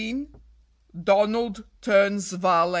DONALD TURNS VALET.